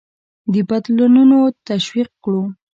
د بدلونونه تشویق کړو.